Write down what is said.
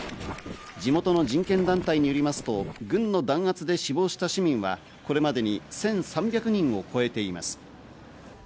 地元の人権団体によりますと、軍の弾圧で死亡した市民は、これまでに１３００人を超えています。